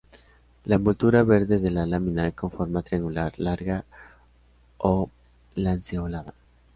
La envoltura verde de la lámina con forma triangular larga o lanceolada.